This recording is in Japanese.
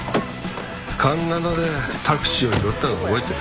環七でタクシーを拾ったのは覚えてる。